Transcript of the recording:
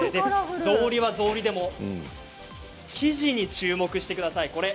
ぞうりは、ぞうりでも生地に注目してください。